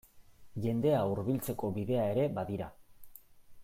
Jendea hurbiltzeko bidea ere badira.